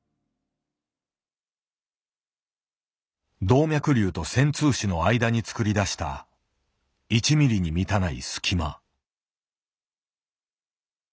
動脈瘤と穿通枝の間に作り出した１ミリに満たない隙間。